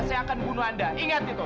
saya akan bunuh anda ingat itu